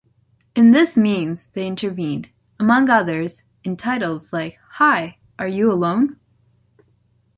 In this means they intervened, among others, in titles like "Hi, are you alone?".